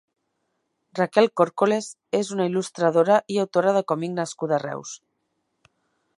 Raquel Córcoles és una il·lustradora i autora de còmic nascuda a Reus.